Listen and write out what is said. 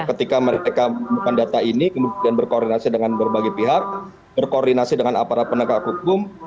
ketika mereka menggunakan data ini kemudian berkoordinasi dengan berbagai pihak berkoordinasi dengan aparat penegak hukum